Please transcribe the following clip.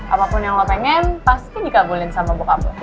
apapun yang lo pengen pasti dikabulin sama bokap lo